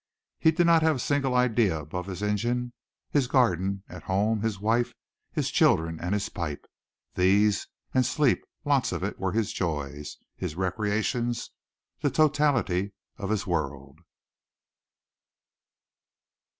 He did not have a single idea above his engine, his garden at home, his wife, his children and his pipe. These and sleep lots of it were his joys, his recreations, the totality of his world.